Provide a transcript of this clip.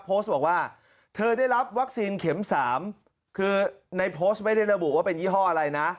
โพสต์บอกว่าเธอได้รับวัคซีนเข็มสามคือในโพสต์ไม่ได้ระบุว่าเป็นยี่ห้ออะไรนะ